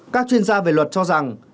các chuyên gia về luật cho rằng